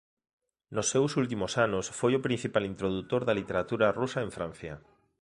Nos seus últimos anos foi o principal introdutor da literatura rusa en Francia.